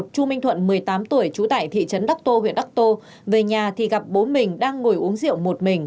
chú minh thuận một mươi tám tuổi chú tải thị trấn đắc tô huyện đắc tô về nhà thì gặp bố mình đang ngồi uống rượu một mình